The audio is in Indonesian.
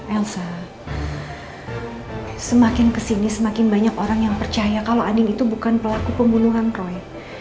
elsa semakin kesini semakin banyak orang yang percaya kalau adil itu bukan pelaku pembunuhan proyek